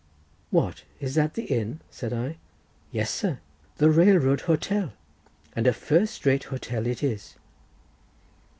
"What, is that the inn?" said I. "Yes, sir, the railroad hotel—and a first rate hotel it is."